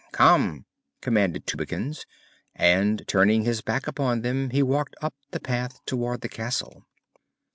"Come!" commanded Tubekins, and turning his back upon them he walked up the path toward the castle.